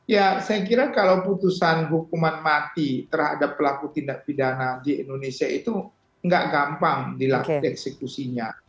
ya saya kira kalau putusan hukuman mati terhadap pelaku tindak pidana di indonesia itu nggak gampang dilakukan eksekusinya